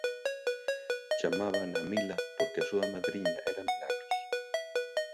Chamábana Mila porque a súa madriña era Milagros.